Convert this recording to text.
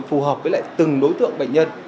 phù hợp với lại từng đối tượng bệnh nhân